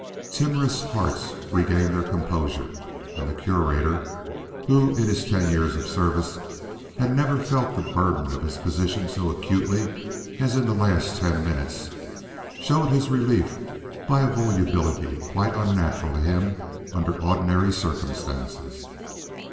Timorous hearts regained their composure, and the Curator who in his ten years of service had never felt the burden of his position so acutely as in the last ten minutes showed his relief by a volubility quite unnatural to him under ordinary conditions.